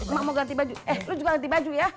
emang mau ganti baju eh lu juga ganti baju ya